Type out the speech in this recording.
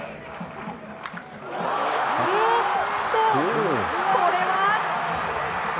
おっと、これは。